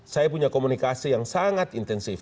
saya punya komunikasi yang sangat intensif